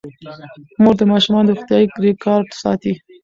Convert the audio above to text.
مور د ماشومانو روغتیايي ریکارډ ساتي.